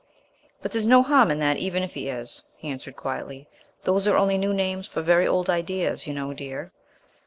"But there's no harm in that, even if he is," he answered quietly. "Those are only new names for very old ideas, you know, dear."